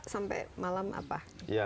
sampai malam apa ya